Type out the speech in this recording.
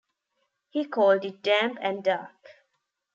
He called it damp and dark.